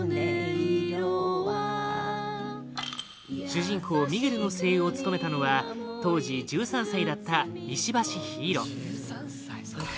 主人公ミゲルの声優を務めたのは当時１３歳だった石橋陽彩